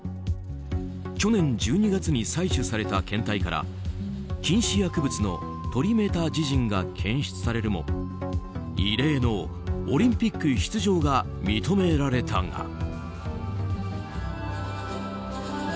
去年１２月に採取された検体から禁止薬物のトリメタジジンが検出されるも異例のオリンピック出場が認められたが。